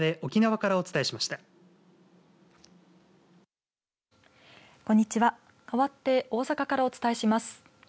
かわって大阪からお伝えします。